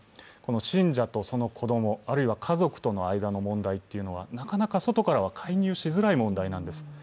信者とその子供、あるいは家族との間の問題というのはなかなか外からは介入しづらい問題なんです。